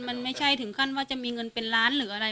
มันไม่ใช่ถึงขั้นว่าจะมีเงินเป็นล้านหรืออะไร